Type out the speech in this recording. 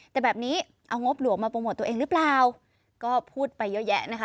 แต่แบบนี้เอางบหลวงมาโปรโมทตัวเองหรือเปล่าก็พูดไปเยอะแยะนะคะ